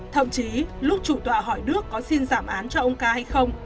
thậm chí lúc chủ tọa hỏi nước có xin giảm án cho ông ca hay không